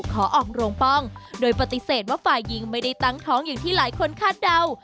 ขอออกโรงป้องโดยปฏิเสธว่าฝ่ายหญิงไม่ได้ตั้งท้องอย่างที่หลายคนคาดเดา